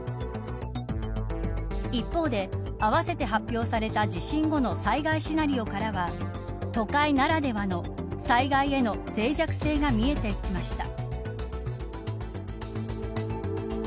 一方で、併せて発表された地震後の災害シナリオからは都会ならではの災害への脆弱性が見えてきました。